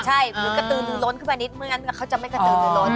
ใช่หรือกระตือลื้อล้นขึ้นมานิดนึงงั้นเขาจะไม่กระตือลื้อล้น